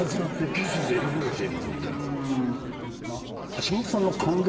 岸先生いかがでした？